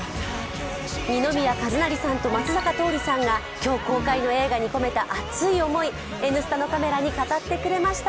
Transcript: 二宮和也さんと松坂桃李さんが今日公開の映画に込めた熱い思い「Ｎスタ」のカメラに語ってくれました。